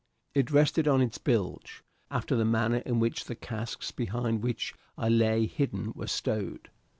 It rested on its bilge, after the manner in which the casks behind which I lay hidden were stowed.